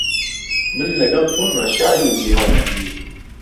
من له گهڵ تۆمه شاهی جیهانگیر